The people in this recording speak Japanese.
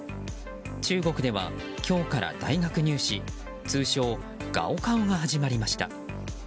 中国では今日から、大学入試通称ガオカオが始まりました。